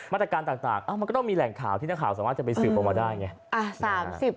มาตรการต่างมันก็ต้องมีแหล่งข่าวที่ต้องให้กลับซืบออกมาได้อย่างเงี้ย